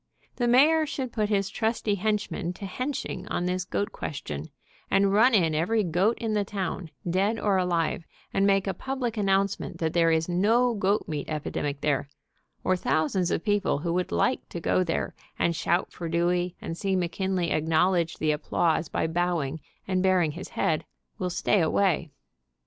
The mayor should put his trusty henchmen to henching on this 8i goat question, and run in every goat in the town, dead or alive, and make a publit announcement that there is no goat meat epidemic there, or thousands of people who would like to go there, and shout for Dewey, and see McKinley acknowledge the' applause by bowing, and baring his head, will stay away.